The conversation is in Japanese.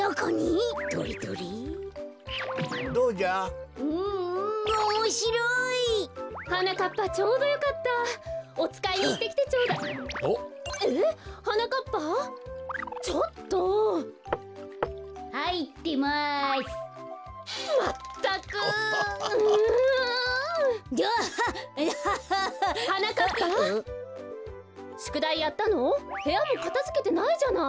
へやもかたづけてないじゃない。